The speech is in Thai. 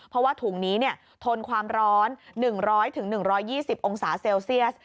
เพราะว่าถุงนี้ทนความร้อน๑๐๐๑๒๐องศาเซลเซียส